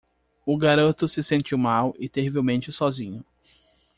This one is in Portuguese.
O garoto se sentiu mal e terrivelmente sozinho.